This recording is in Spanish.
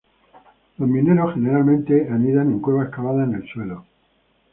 Los mineros generalmente anidan en cuevas cavadas en el suelo.